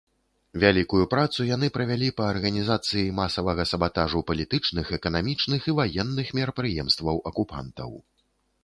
Вялікую працу яны правялі па арганізацыі масавага сабатажу палітычных, эканамічных і ваенных мерапрыемстваў акупантаў.